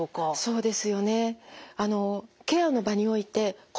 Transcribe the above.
そうですよね。